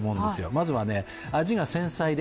まずは、味が繊細で